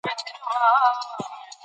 موږ په ګډه پښتو نړیواله کولای شو.